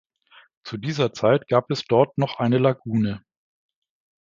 Zu dieser Zeit gab es dort noch eine Lagune.